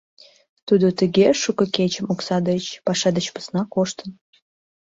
Тудо тыге шуко кечым окса деч, паша деч посна коштын.